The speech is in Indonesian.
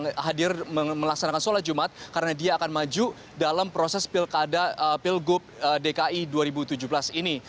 yang hadir melaksanakan sholat jumat karena dia akan maju dalam proses pilgub dki dua ribu tujuh belas ini